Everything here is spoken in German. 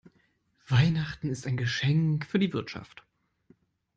Weihnachten ist ein Geschenk für die Wirtschaft.